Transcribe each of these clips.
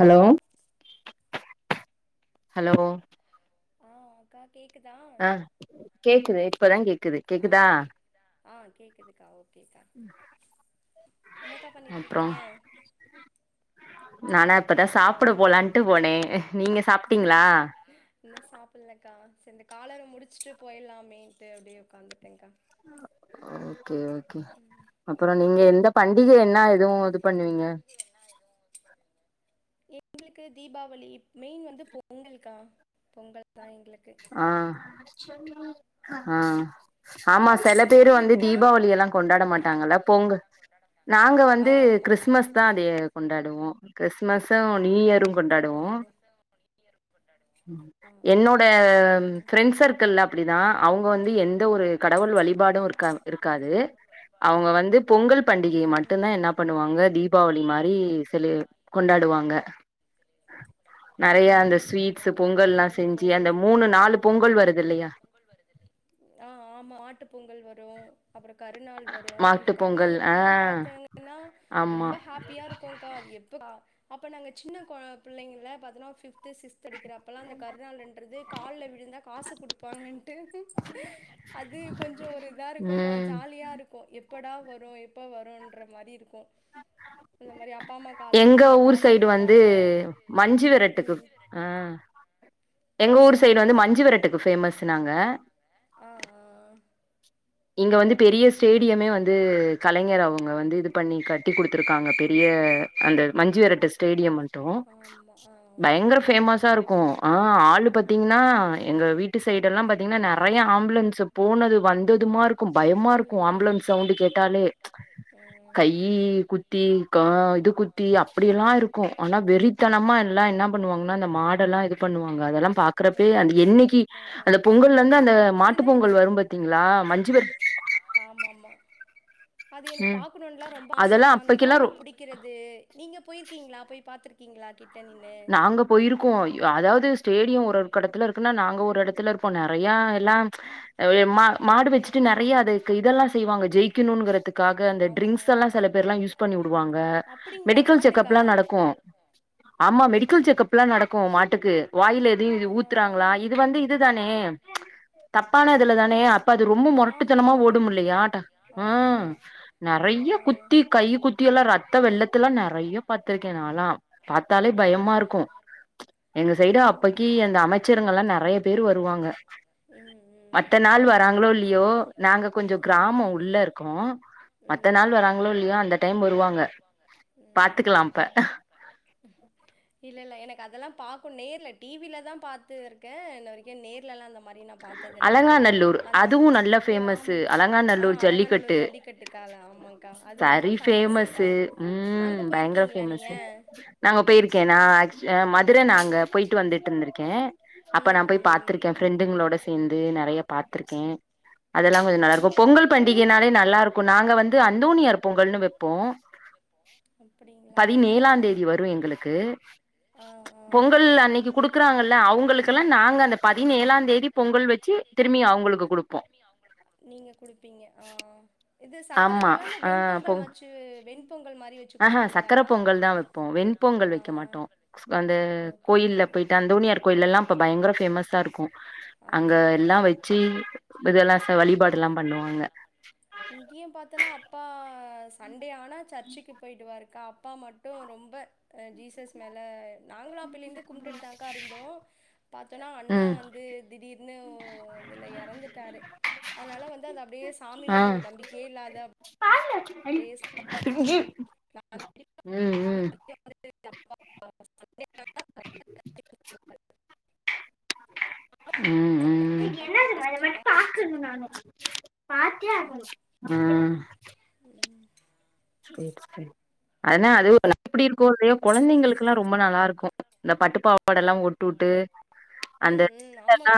hello hello ஆ அக்கா கேக்குதா ஆ கேக்குது இப்பதா கேக்கு ஆ ஆ கேக்குதுக்கா ஓகேக்கா என்னக்கா பண்ணிட்டு இருக்கீங்க நானாப் இப்பதா சாப்புட போலான்ட்டு போனே நீங்க சாப்ட்டீங்களா காலர முடிச்ட்டு போயில்லாமேன்ட்டு அப்டியே உக்காந்துட்டேங்க்கா ஓகே ஓகே அப்ற நீங்க எந்தப் பண்டிக என்ன எதுவு இது பண்ணுவீங்க எங்ளுக்கு தீபாவளி மெயின் வந்து பொங்கல்க்கா பொங்கல் ஆ ஆ ஆமா செல பேரு வந்து தீபாவளியலா கொண்டாட மாட்டாங்கல்ல பொங்கு நாங்க வந்து கிறிஸ்மஸ்தா தே கொண்டாடுவோ கிறிஸ்மஸு நியரு கொண்டாடுவோ ம் என்னோ ஆ ஃபிரண்ட் சர்க்கிள்ல அப்டிதா அவுங்க வந்து எந்த ஒரு கடவுள் வழி க்கா இருக்காது அவங்க வந்து பொங்கல் பண்டிகைய மட்டுந்தா என்ன பண்ணுவாங்க தீபாவளி மாரி செலி கொண்டா டுவாங்க நெறய அந்த ஸ்வீட்ஸ் பொங்கல்லா செஞ்சு ஞ்சி அந்த மூணு நாலு பொங்கல் வருதுல்லையா பொங்கல் வரு அப்ற கருநாள் வரும் அந்த கருநாளுக்குலா பாத்தேங்னா ரொம்ப ஹேப்பியா இருக்குங்கா அது எப்ப அ அப்ப நாங்க சின்ன கொ பிள்ளைங்கில்ல பாத்தனா பிஃப்து சிக்ஸ் படிக்கிறப்பலா அந்த கருநாள்ன்றது கால்ல விழுந்தா காசு குடுப்பாங்கன்ட்டு அது கொஞ்ச ஒரு இதாருக்கும்கா ஜாலியாருக்கு எப்படா வரும் எப்ப வருன்ற மாரி இருக் கும் அந்த மாரி அப்பா அம்மாக்கு எங்க ஊர் சைடு வந்து மஞ்சி வெரட்டுக்கு அஹ் எங்க ஊர் சைடு வந்து மஞ்சு வெரட்டுக்கு பேஃமஸ் நாங்க இங்க வந்து பெரிய ஸ்டேடியமே வந்து கலைஞர் அவுங்க வந்து இது பண்ணி கட்டி குடுத் ருக்காங்க பெரிய அந்த மஞ்சு விரட்டு ஸ்டேடியம் மட்டு பயங்கர பேஃமஸாருக்கு ஆஹ் ஆளு பத்தீங்னா ஆஹ் எங்க வீட்டு சைடெல்லா பத்தீங்னா நெறைய ஆம்புலன்ஸு போனது வந்ததும் மா இருக்கு பயமாருக்கு ஆம்புலன்ஸ் சவுண்டு கேட்டாலே கையி குத்தி கா இது குத்தி அப்பட் இருக்கு ஆனா வெறித்தனமா எல்லா என்ன பண்ணுவாங்னா அந்த மாடெல்லா இது பண்ணுவாங்க அதெல்லா பாக்கறப்பியே அது என்னி க்கி அந்த பொங்கல்லந்து அந்த மாட்டு பொங்கல் வரும் பத்தீங்ளா ஆமாமா அது எனக்கு பாக்கணுன்லா ரொம்ப ஆசக்கா அந்த மாடு புடிக்கிறது நீங்கப் போயிருக்கீங்ளா போய் பாத்திருக்கீங்ளா கிட் நாங்க போயிருக்கோ அதாவது ஸ்டேடியம் ஒரு ஒரு கடத்துலருக் குனா நாங்க ஒரு எடத்துல இருப்போ நெறைய எல்லாம் எ மா மாடு வச்சுட்டு நெறைய அதுக்கு இதெல்லா செய்வாங்க ஜெயிக்கணுங்கிறதுக் காக அந்த டிரிங்ஸ்கலா சில பேர்லா யூஸ் பண்ண வுடுவாங்க மெடிக்கல் செக்கப்லா நடக்கு [unintelligible] மெடிக்கல் செக்ப்லா நடக்கும் மாட்டுக்கு வாயில எதியும் இது ஊத்துறாங்களா இது வந்து இதுதானே தப்பான அதுல தானே அப்ப அது ரொம்ப முரட்டுத்தனமா ஓடும்மில்லையா ட ஹ நெறைய குத்தி கையி குத்தில்லா ரத்த வெள்ளத்துல்லா நெறைய பாத்திருக்க நாலா லே பயமாருக்கும் எங்க சைடு அப்பைக்கி அந்த அமைச்சரங்கல்லா நெறைய பேரு வருவாங்க மத்த நாள் வராங்களோ இல்லியோ நாங்க கொஞ்சௌ கிராமம் உள்ளருக்கோ மத்த நாள் வராங்ளோ இல்லியோ அந்த டைம் வருவாங்க பாத்துக்கலாம்ப்ப இல்ல இல்ல எனக்கு அதெலா பாக்கும் நேர்ல டிவிலதா பாத்துருக்க இன்ன வரைக்கு நேர்லலா அந்தமா மாரி நா பாத்ததுல்லக்கா அந்த ஓ ஆமா ஆஹ் அழங்காநல்லூர் ஜல்லிக்கட்டு சரி பேமஸ்சு உம் பயங்கர பேமஸு நாங்க போய் ருக்க நா ஆக் மதுர நாங்க போயிட்டு வந்துட்ருந்திருக்கே அப்ப நா போய் பாத்திருக்க ஃப்ரெண்டுங்ளோட சேந்து நெறைய பாத்திருக்கே அதெல்லா கொஞ்ச நல்லாருக்கும் பொங்கல் பண்டிகைனாலே நல்லாருக்கும் நாங்க வந்து அந்தோணியார் பொங்கல்னு வப்போ பதினேழா தேதி வரு எங்களுக்கு பொங்கல் அன்னைக்கு குடுக்குறாங்கல்ல அவுங்களுக்கெல்லா நாங்க அந்த பதினேழாந்தேதி பொங்கல் வச்சு திரும்மியு அவுங்களுக்கு குடுப்போ நீங்க குடுப்பீங்க ஆஹ் இது சக்கர பொங்கல்லா இந்த வெண்பொங்கல் மாச்சு வெண் ஆஹ்ஹ் சக்கர பொங்கல் தா வெப்போ வெண்பொங்கல் வெக்க மாட்டோ அந்த கோயில்ல போயிட்டு அந்தோனியார் கோயில்லல்லா இப்ப பயங்கர ஃபேமஸா இருக்கு அங்க எல்லா வச்சி இதெல்லா வழிபாடு எல்லா பண்ணுவாங்க சண்டே ஆனால் சர்ச்சுக்கு போயிட்டு வருக்கா அப்பா மட்டு ரொம்ப ஜீசஸ் மேல நாங்களும் அப்பிலேருந்து கும்பிட்டுட்டுத்தாக்கா இருந்தோம் பார்த்தோன்னா அண்ணா வந்து திடீர்னு அதுல இறந்துட்டாரு அதனால வந்து அது அப்டியே சாமி மேல ஒரு நம்பிக்கயே இல்லாத [unintelligible] [unintelligible] உம் உம் ஆஹ் சேர் செரி அதனா அதுவு எப்டி இருக்கோலையோ கொழந்தைங்களுக்கெல்லா ரொம்ப நல்லா இருக்கு ம் இந்த பட்டுப்பாவாடல்லா ஒட்டு வுட்டு அந்த இ எல்லா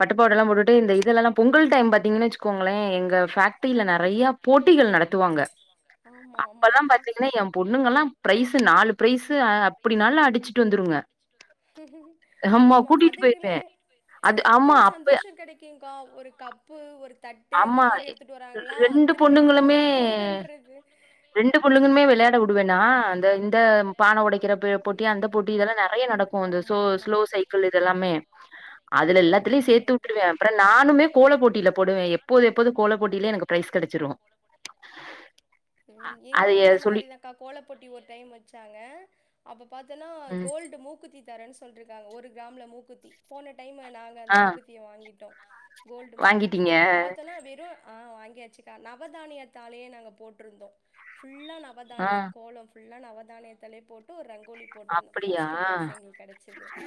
பட்டுபாவட எல்லா போட்டுட்டு இந்த இதுலெல்லா பொங்கல் டைம் பாத்திங்கனு வச்சுக்கோங்களே எங்க ஃபே ட்ரில நறையா போட்டிகள் நடத்துவாங்க அப்பல்லா பாத்திங்கனா எம் பொண்ணுங்கலா ப்ரைஸு நாலு ப்ரைஸு அ அப்பிடினாலு அடிச்சுட்டு வந்துருங்க ஆமா அதுங்களே அப்போ ஒரு சந்தோஷ கெடைக்குங்க்கா ஒரு கப்பு ஒரு தட்டு இந்த மாரி எடுத்துட்டு வராங்ளா திருப்பி போங்க போங்கன்றது ரெண்டு புள்ளுங்குமே வெளையாட உடுவேனா அந்த இந்த பான ஒடைக்கிற ப போட்டி அந்த போட்டி இதெல்லா நறைய நடக்கு அந்த சோ ஸ்லோ சைக்கிள் இதெல்லாமே அதுல எல்லாத்துலயு சேத்துட்ருவே அப்புற நானுமே கோல போட்டில போடுவே எப் போது எப்போது கோல போட்டிலயே எனக்கு ப்ரைஸ் கெடைச்சிரு எங்கூர்ல அந்த மாரிதாங்க்கா கோல போட்டி ஒரு டைம் வச்சாங்க அப்ப பாத்தெனா கோல்டு மூக்குத்தி தரன் சொல்ட்ருக்காங்க ஒரு கிராம்ல மூக்குத்தி போன டைம் நாங்க அந்த மூக்குத்திய வாங்கிட்டோ கோல்டு மூக்குத்தி பாத்தெனா வெறு ஆ வாங்கியாச்சுக்கா நவதானியத்தாலயே நாங்க போட்ருந்தோ ஃபுல்லா நவதானிய கோல ஃபுல்லா நவதானியத்தாலயே போட்டு ஒரு ரங் அப்படியா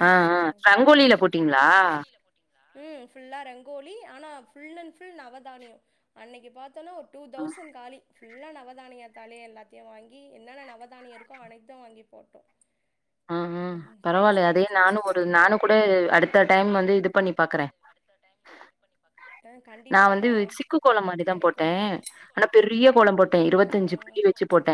ஆ ஆ ரங்கோலில போட்டிங்ளா ம் ஃபுல்லா ரங்கோலி ஆனா ஃபுல் அண்ட் ஃபுல் நவதானிய அன்னைக்கு பாத் தனா ஒரு டூ தௌசண்ட் காலி ஃபுல்லா நவதானியத்தாலயே எல்லாத்தையு வாங்கி என்னென்ன நவதானிய இருக்கோ அனைத்து வாங்கி போட்டோ அ ஹு பரவால்லயே அதே நானு ஒரு நானு கூட அடுத்தாட்ட டைம் வந்து இது பண்ணி பாக்கறே நா வந்து சிக்கு கோலம் மாரிதா போட்டே ஆனா பெரிய கோலம் போட்டே இருவத்தஞ்சு புள்ளி வச்சு போட் ட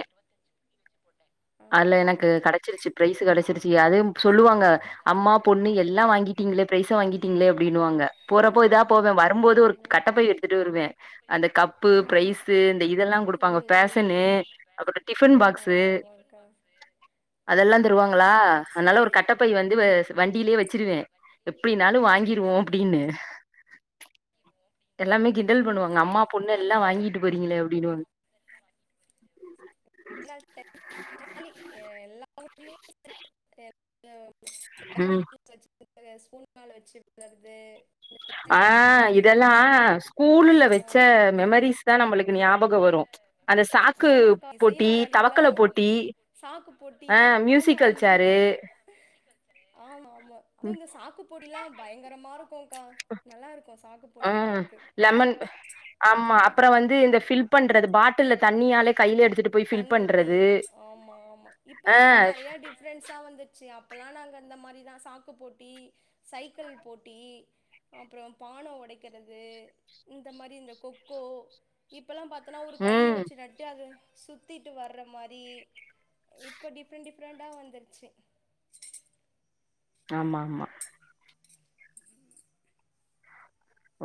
அதுல எனக்கு கெடைச்சிருச்சு ப்ரைஸு கெடைச்சிருச்சு அதும் சொல்லுவாங்க அம்மா பொண்ணு எல்லா வாங்கிட்டிங்ளே ப்ரைச வாங்கிட்டிங்ளே அப்டின்னுவாங்க போறப்போ இதா போவே வரும்போது ஒரு கட்டப்பை எடுத்துட்டு வருவே அந்த கப்பு பிரைஸு இந்த இதெல்லா குடுப்பாங்க பேஷனு டிஃபன் பாக்ஸு அதெல்லா தருவாங்களா அதனால ஒரு கட்டப்பை வந்து ச வண்டிலயே வச்சிருவே எப்பிடினாலு வாங்கிருவோ அப்டினு எல்லாமே கிண்டல் பண்ணுவாங்க அம்மா பொண்ணு எல்லா வாங்கிட்டு போறிங்களே அப்டினுவாங் [inaudible] ஜாலி எ எல்லா ஊர்லயு [inaudible] லெமன் [inaudible] வச்சு ஸ்பூன் மேல வச்சு விளறது ஆ இதெல்லா ஸ்கூல்ல வச்ச மெமரிஸ் தா நமளுக்கு ஞாபக வரு அந்த சாக்கு பு ரீனாராலிலா சாக்கு போட்டி ஆமா ஆமாக்கா ஆமாமா அது இந்த சாக்கு போட்டிலா பயங்கரமா இருக்குங்க்கா நல்லாருக்கு ம் லெமன் ஆமா அப்பற வந்து இந்த ஃபில் பண்றது பாட்டில்ல தண்ணியாலே கைல எடுத்துட்டு தண்ணி ஊத்தி ஆமா ஆமா இப்பதாங்க்கா நறைய டிஃபரென்ஸா வந்துர்ச்சு அப்பல்லா நாங்க இந்த மாரிதா சாக்கு போட்டி சைக்கிள் போட்டி அப்புற பான ஒடைக்கிறது இந்த மாரி இந்த கொக்கோ இப் ப்பல்லா பாத்தோனா ஒரு கழியை வச்சு நட்டு அத சுத்திட்டு வர்ற மாரி இப்ப டிஃப்ரெண்ட் டிஃப்ரெண்டா வந்துர்ச்சு ஆமா ஆமா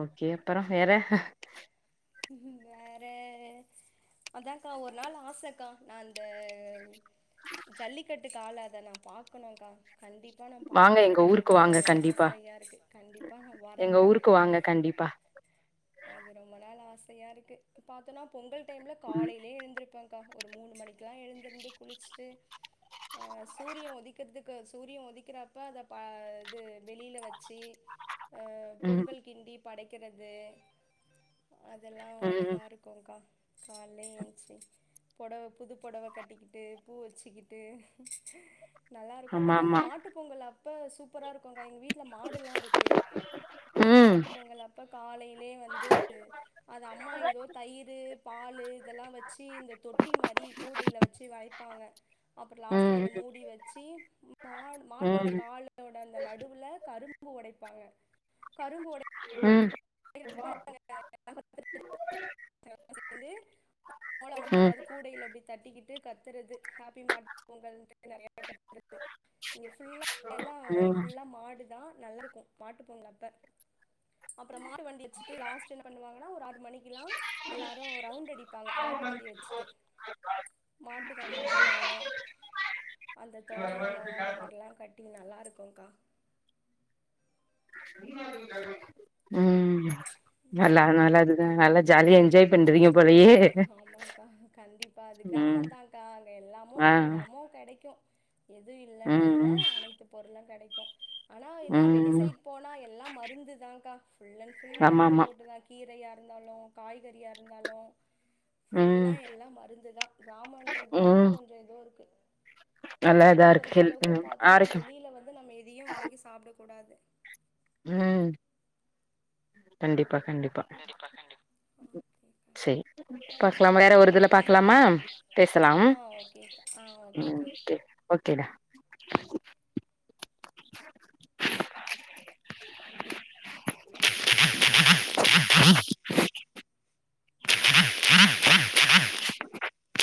ஓகே அப்பற வேற வேற அதாங்க்கா ஒரு நாள் ஆசக்கா நா ந்த ஜல்லிக்கட்டு காள அத நா பாக்கணுங்க்கா கண்டிப்பா நா பாக்கணுன்றது அது ஒரு ஆசையா இருக்கு கண்டிப்பா நா வரேங்க்கா [inaudible] அது ரொம்ப நாள் ஆசையா இருக்கு பாத்தோனா பொங்கல் டைம்ல காலைலே எழுந்திருப்பேங் க்கா ஒரு மூணு மணிக்குலா எழுந்திருந்து குளிச்சுட்டு அ சூரிய ஒதிக்கிறதுக்கு சூரிய ஒதிக்கிறப்ப அத பா இது வெளில வச்சு அ பொங்கல் கிண்டி படைக்கிறது அதெல்லா ஒரு இதா இருக்குங்க்கா கால்லே ஏந்ச்சு பொடவ புது பொடவ கட்டிக்கிட்டு பூ வச்சுக்கிட்டு நல்லா இருக்கு அது இந்த மாட்டு பொங்கல் அப்ப சூப்பரா இருக்குங்க்கா எங்க வீட் ட்ல மாடுலா இருக்கு மாட்டு பொங்கல் அப்ப காலைலே வந்து அது அம்மா எதோ தயிரு பாலு இதெல்லா வச்சு இந்த தொட்டி மாரி கூடைல வச்சு வாய்ப்பா ங்க அப்ற லாஸ்ட்டா அத மூடி வச்சு ம் மாடு மாட்டோட காலோட அந்த நடுவுல க கரும்பு ஒடைப்பாங்க கரும்பு ம் [inaudible] ந்து மோலமா எதாவ்து கூடைல அப்டியே தட்டிக்கிட்டு கத்துறது ஹாப்பி மாட்டு பொங்கல்ன்ட்டு நெறைய கத்துறது இங்க ஃபுல்லா எல்லா ஃபுல்லா மாடுதா நல்லாருக்கு மாட்டு பொங்கல் அப்ப அட மாட்டு வண்டி வச்சுட்டு லாஸ்ட் என்ன பன்னுவாங்கனா ஒரு ஆறு மணிக்கிலா எல்லாரு ரவுண்ட் அடிப்பாங்க மாட்டு வண்டி வச்சு ட்டு மாட்டுக்க மால அந்த தோராயண அந்த மார்லா கட்டி நல்லா இருக்குங்க்கா ம் நல்லா நல்லது ம் நல்லா ஜாலியா என்ஜாய் பண்றீங்க போலயே ஆமாக்கா கண்டிப்பா அது கிராமந்தாங்க்கா அங்க எல்லாமு எல்லாமு கெடைக்கு எது இல்லன்னு இல்ல அனைத்து பொருளு கெடைக்கு ஆனா என்னா வெளி சைட் போனா எல்ல மருந்து தாங்க்கா ஃபுல் அன் ஃபுல் மருந்து போட்டுதா கீரையா இருந்தாலு காய்கறியா இருந்தாலு ஃபுல்லா எல்லா மருந்துதா கிராமோன்றதால கொஞ்ச எதோ இருக்கு ஃபுட்ட பொறுத்த அளவுக்கு பாத்தோனா வெளில வந்து நம்ம எதையு வாங்கி சாப்ட கூடாது இன்ன கண்டிப்பா கண்டிப்பா சேரி பாக்லாம் வேற ஒருதுல பாக்லமா பேசலாம் ம் ஓகே ஓகேடா [inaudible] [inaudible] ம் [inaudible]